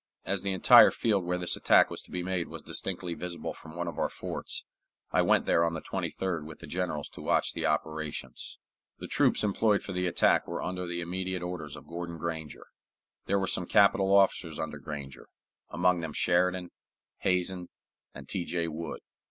As the entire field where this attack was to be made was distinctly visible from one of our forts, I went there on the 23d with the generals to watch the operations. The troops employed for the attack were under the immediate orders of Gordon Granger. There were some capital officers under Granger, among them Sheridan, Hazen, and T. J. Wood.